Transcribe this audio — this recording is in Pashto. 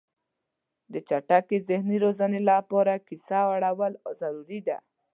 د چټکې ذهني روزنې لپاره کیسه اورول ضروري وه.